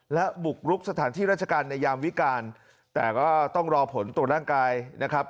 และบุกรุกสถานที่ราชการในยามวิการแต่ก็ต้องรอผลตรวจร่างกายนะครับ